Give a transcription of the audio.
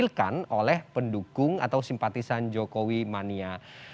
dihadirkan oleh pendukung atau simpatisan jokowi mania